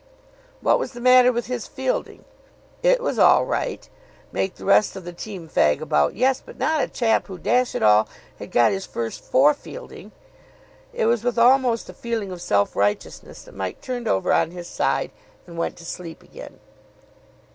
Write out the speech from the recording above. What was the matter with his fielding? It was all right. Make the rest of the team fag about, yes. But not a chap who, dash it all, had got his first for fielding! It was with almost a feeling of self righteousness that Mike turned over on his side and went to sleep again.